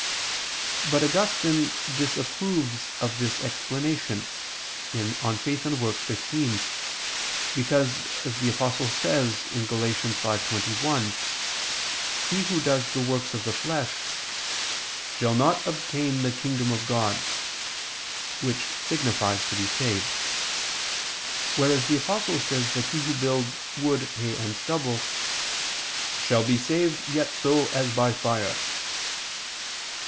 But Augustine disapproves of this explanation (De Fide et Oper. xv), because, as the Apostle says (Gal. 5:21), he who does the works of the flesh, "shall not obtain the kingdom of God," which signifies to be saved; whereas the Apostle says that he who builds wood, hay, and stubble "shall be saved yet so as by fire."